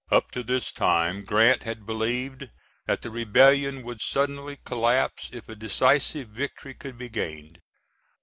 Up to this time, Grant had believed that the rebellion would suddenly collapse if a decisive victory could be gained.